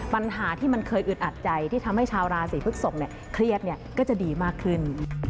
ปัญหาที่มันเคยอึดอัดใจที่ทำให้ชาวราศีพฤกษกเครียดก็จะดีมากขึ้น